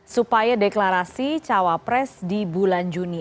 supaya deklarasi cawapres di bulan juni